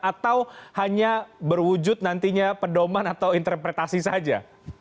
atau hanya berwujud nantinya pedoman atau interpretasi saja